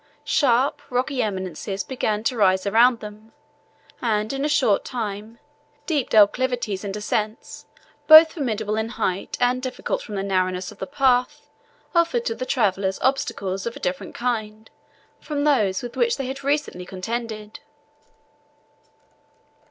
Sharp, rocky eminences began to rise around them, and, in a short time, deep declivities and ascents, both formidable in height and difficult from the narrowness of the path, offered to the travellers obstacles of a different kind from those with which they had recently contended.